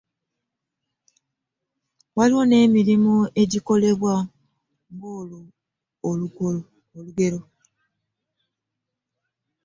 Waliwo ne mirimu egikolebwa olwegulo.